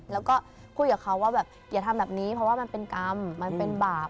แล้วก็คุยกับเขาว่าแบบอย่าทำแบบนี้เพราะว่ามันเป็นกรรมมันเป็นบาป